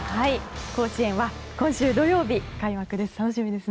甲子園は今週土曜日開幕です。